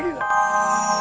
kau jangan terbiasa